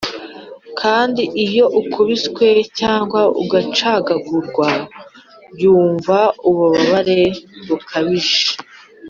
kandi iyo ukubiswe cyangwa ugacagagurwa yumva ububabare bukabije